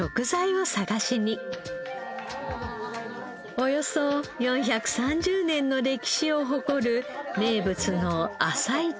およそ４３０年の歴史を誇る名物の朝市です。